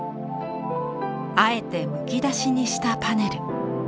あえてむき出しにしたパネル。